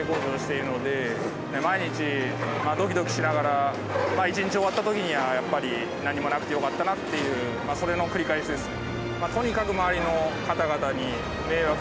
やはりこの一日終わったときにはやっぱり何もなくてよかったなっていうそれの繰り返しですね。